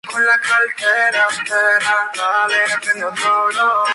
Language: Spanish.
Se dice que este arte es originario de la India.